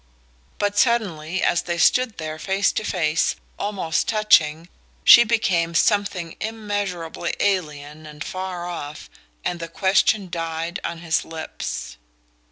But suddenly, as they stood there face to face, almost touching, she became something immeasurably alien and far off, and the question died on his lips.